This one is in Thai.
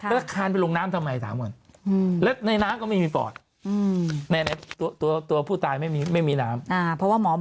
แล้วคานไปลงน้ำทำไมสาม